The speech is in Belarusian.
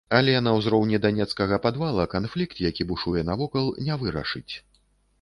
Але на ўзроўні данецкага падвала канфлікт, які бушуе навокал, не вырашыць.